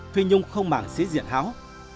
phi nhung không màng xí diện háo